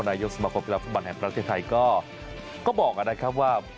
นายกสมาคมกีฬาฟุตบอลแห่งประเทศไทยก็บอกนะครับว่า